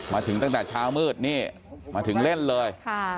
มาถึงตั้งแต่เช้ามืดนี่มาถึงเล่นเลย